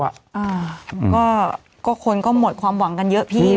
อ่าก็คนก็หมดความหวังกันเยอะพี่